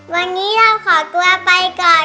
วันนี้เราขอตัวไปก่อนนะคะบ๊ายบาย